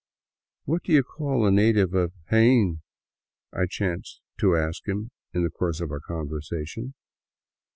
" What do you call a native of Jaen ?" I chanced to ask him in the course of our conversation.